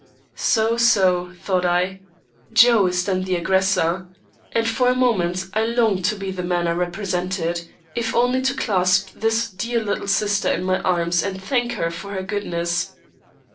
"So, so," thought I, "Joe is then the aggressor!" And for a moment, I longed to be the man I represented, if only to clasp this dear little sister in my arms and thank her for her goodness.